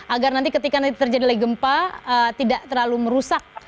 agar nanti ketika nanti terjadi lagi gempa tidak terlalu merusak